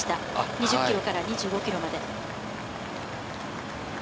２０ｋｍから２５ｋｍまで。